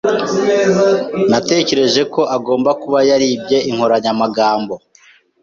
Natekereje ko agomba kuba yaribye inkoranyamagambo.